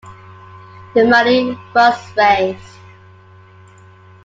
The money was raised.